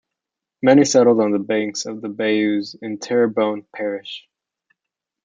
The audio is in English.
Many settled on the banks of the bayous in Terrebonne Parish.